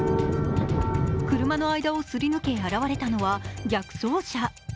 車の間をすり抜け、現れたのは逆走車。